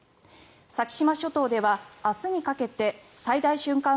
先島諸島では明日にかけて最大瞬間